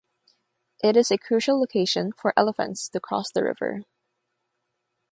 It is a crucial location for elephants to cross the river.